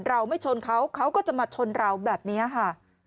เราไม่ชนเขาเขาก็จะมาชนเราแบบนี้ค่ะ